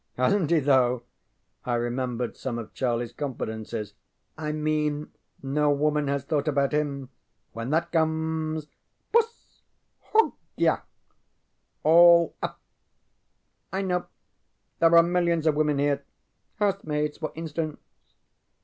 ŌĆØ ŌĆ£HasnŌĆÖt he, though! ŌĆØ I remembered some of CharlieŌĆÖs confidences. ŌĆ£I mean no woman has thought about him. When that comes; bus hogya all up! I know. There are millions of women here. Housemaids, for instance.